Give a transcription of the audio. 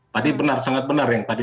tadi benar sangat benar yang tadi